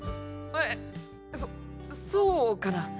えそそうかな？